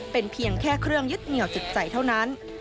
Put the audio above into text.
เป็นเพียงแค่เครื่องยึดเหนียวจิตใจเท่านั้น